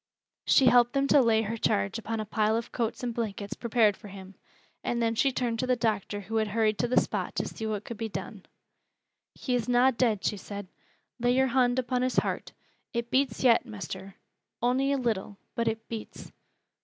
She helped them to lay her charge upon a pile of coats and blankets prepared for him, and then she turned to the doctor who had hurried to the spot to see what could be done. "He is na dead," she said. "Lay yore hond on his heart. It beats yet, Mester, on'y a little, but it beats."